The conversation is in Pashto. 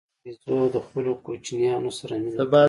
بیزو د خپلو کوچنیانو سره مینه کوي.